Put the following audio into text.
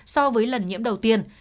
so với lần nhiễm đầu tiên